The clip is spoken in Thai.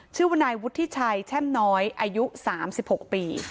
ชื่อว่านายวุฒิชัยแช่มน้อยอายุ๓๖ปี